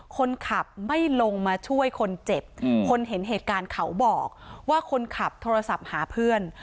คนขับไม่ลงมาช่วยคนเจ็บคนเห็นเหตุการณ์เขาบอกว่าคนขับโทรศัพท์หาเพื่อน